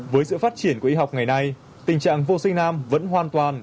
với sự phát triển của y học ngày nay tình trạng vô sinh nam vẫn hoàn toàn